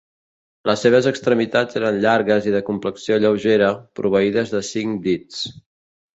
Les seves extremitats eren llargues i de complexió lleugera, proveïdes de cinc dits.